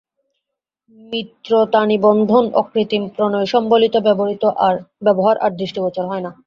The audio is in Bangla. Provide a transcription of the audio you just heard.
মিত্রতানিবন্ধন অকৃত্রিম প্রণয় সম্বলিত ব্যবহার আর দৃষ্টিগোচর হয় না।